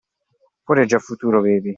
Fuori è già futuro, baby!